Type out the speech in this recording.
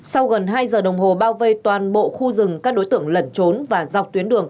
sau gần hai giờ đồng hồ bao vây toàn bộ khu rừng các đối tượng lẩn trốn và dọc tuyến đường